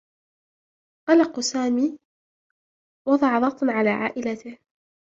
قلق سامي وضع ضغطاُ على عائلته.